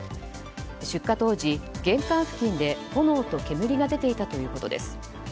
出火当時玄関付近で炎と煙が出ていたということです。